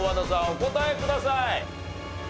お答えください。